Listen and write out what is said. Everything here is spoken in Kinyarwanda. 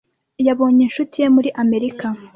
Yabonye inshuti ye muri Amerika.